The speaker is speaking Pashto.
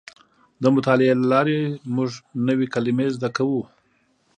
د مطالعې له لارې موږ نوې کلمې زده کوو.